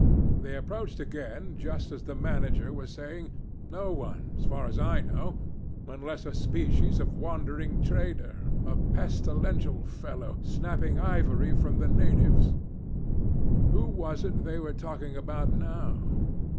They approached again, just as the manager was saying, 'No one, as far as I know, unless a species of wandering trader a pestilential fellow, snapping ivory from the natives.' Who was it they were talking about now?